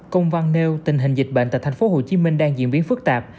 công văn nêu tình hình dịch bệnh tại tp hcm đang diễn biến phức tạp